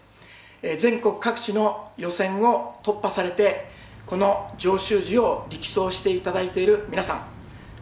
全国各地の予選を突破されてこの上州路を力走していただいている皆さん。